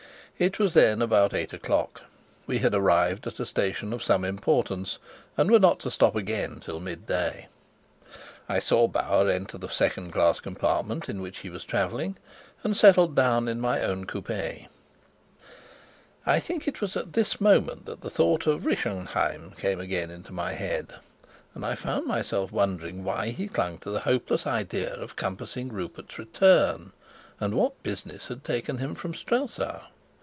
It was then about eight o'clock; we had arrived at a station of some importance and were not to stop again till mid day. I saw Bauer enter the second class compartment in which he was traveling, and settled down in my own coupe. I think it was at this moment that the thought of Rischenheim came again into my head, and I found myself wondering why he clung to the hopeless idea of compassing Rupert's return and what business had taken him from Strelsau.